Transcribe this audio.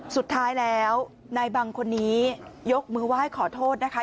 สุดท้ายแล้วนายบังคนนี้ยกมือไหว้ขอโทษนะคะ